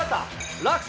落差